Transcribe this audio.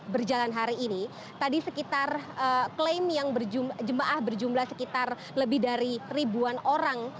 berjalan hari ini tadi sekitar klaim yang jemaah berjumlah sekitar lebih dari ribuan orang